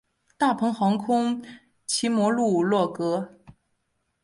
大鹏航空奇摩部落格